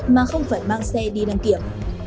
mà không phải mang xe đi đăng kiểm